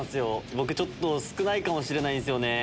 僕ちょっと少ないかもしれないんすよね。